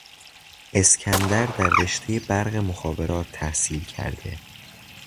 اسکندر در رشته برق مخابرات تحصیل کرده